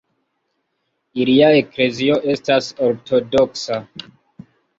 Ilia eklezio estas ortodoksa.